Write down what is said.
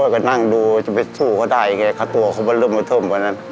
ก็นั่งดูจะไปสู้เค้าได้ไงขาตัวเค้ามาเริ่มมาทุ่มกันนั้น